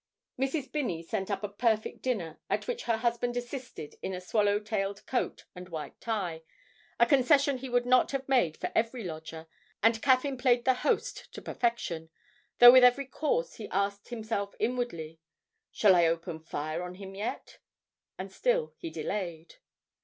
Mrs. Binney sent up a perfect dinner, at which her husband assisted in a swallow tailed coat and white tie, a concession he would not have made for every lodger, and Caffyn played the host to perfection, though with every course he asked himself inwardly, 'Shall I open fire on him yet?' and still he delayed.